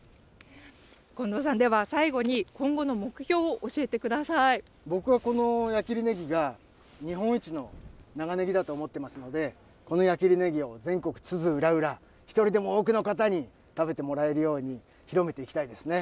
近藤さん、では最後に、今後の目僕はこの矢切ねぎが日本一の長ねぎだと思ってますので、この矢切ねぎを全国津々浦々、一人でも多くの方に食べてもらえるように広めていきたいですね。